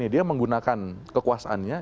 dia menggunakan kekuasannya